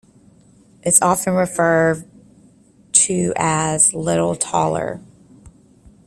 It is often referred to as "Little Toller".